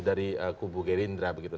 dari kubu gerindra begitu